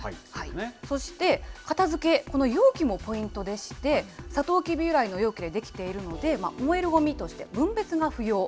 そして、片づけ、この容器もポイントでして、サトウキビ由来の容器で出来ているので、燃えるごみとして、分別が不要。